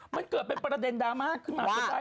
มันเกิดเป็นประเด็นดราม่าขึ้นมาก็ได้